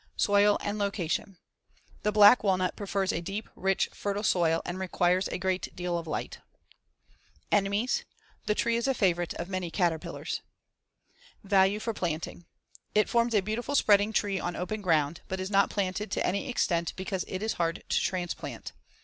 Soil and location: The black walnut prefers a deep, rich, fertile soil and requires a great deal of light. Enemies: The tree is a favorite of many caterpillars. Value for planting: It forms a beautiful spreading tree on open ground, but is not planted to any extent because it is hard to transplant.